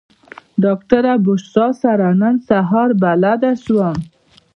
ډاکټره بشرا سره نن سهار بلد شوم.